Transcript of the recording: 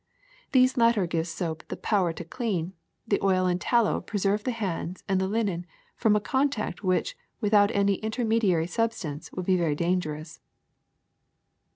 These latter give soap the power to clean ; the oil and tallow preserve the hands and the linen from a contact which without any intermediary substance would be very danger ous.